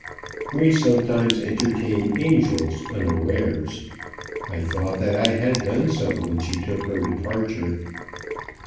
"We sometimes entertain angels unawares. I thought that I had done so when she took her departure."